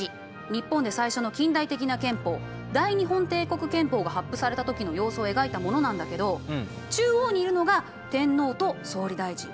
日本で最初の近代的な憲法大日本帝国憲法が発布された時の様子を描いたものなんだけど中央にいるのが天皇と総理大臣。